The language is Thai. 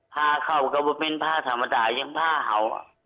ผ้าเขาก็เป็นผ้าธรรมดายังผ้าเห่า